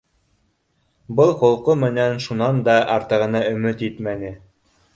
Был холҡо менән шунан да артығына өмөт итмәне